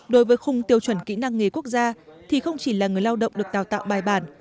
đối với khung tiêu chuẩn kỹ năng nghề quốc gia thì không chỉ là người lao động được đào tạo bài bản